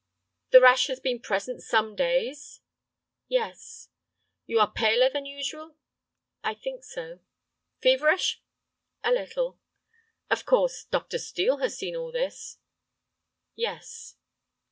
"The rash has been present some days?" "Yes." "You are paler than usual?" "I think so." "Feverish?" "A little." "Of course, Dr. Steel has seen all this?" "Yes."